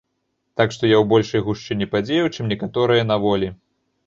Так што я ў большай гушчыні падзеяў, чым некаторыя на волі.